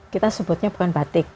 kita sebutnya bukan batik